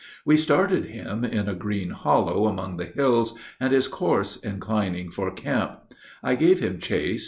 We started him in a green hollow, among the hills, and his course inclining for camp. I gave him chase.